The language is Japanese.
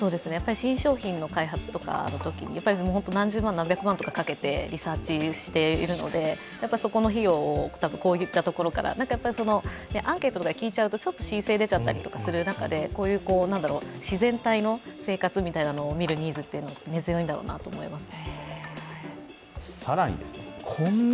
新商品の開発とかのときに何十万、何百万とかかけてリサーチしているので、そこの費用をこういったところからアンケートで聞いちゃうと、申請きちゃったりする中でこういう自然体の生活みたいなのを見るニーズは根強いだろうなと思います。